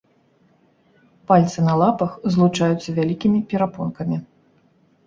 Пальцы на лапах злучаюцца вялікімі перапонкамі.